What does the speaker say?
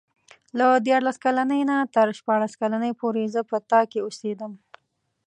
له دیارلس کلنۍ نه تر شپاړس کلنۍ پورې زه په تا کې اوسېدم.